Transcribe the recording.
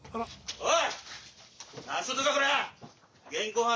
おい！